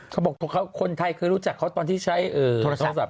เขาบอกคนไทยเคยรู้จักเขาตอนที่ใช้โทรศัพท์